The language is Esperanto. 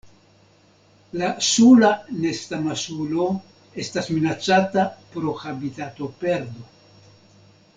La Sula nestamasulo estas minacata pro habitatoperdo.